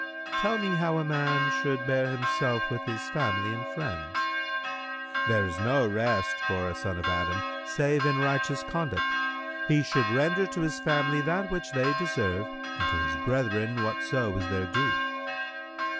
Q "Tell me how a man should bear himself with his family and friends."—"There is no rest for a son of Adam save in righteous conduct: he should render to his family that which they deserve and to his brethren whatso is their due."